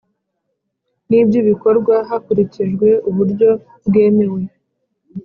n iby ibikorwa hakurikijwe uburyo bwemewe